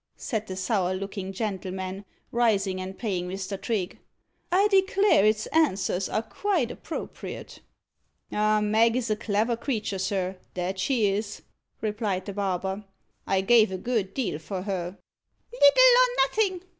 said the sour looking gentleman, rising and paying Mr. Trigge. "I declare its answers are quite appropriate." "Ah! Mag is a clever creature, sir that she is," replied the barber. "I gave a good deal for her." "Little or nothing!"